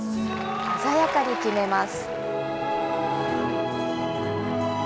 鮮やかに決めます。